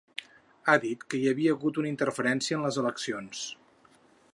Ha dit que hi havia hagut una interferència en les eleccions.